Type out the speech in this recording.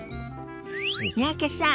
三宅さん